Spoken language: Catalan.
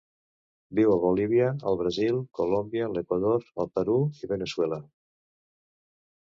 Viu a Bolívia, el Brasil, Colòmbia, l'Equador, el Perú i Veneçuela.